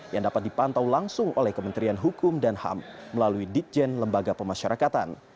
yang dapat dipantau langsung oleh kementerian hukum dan ham melalui ditjen lembaga pemasyarakatan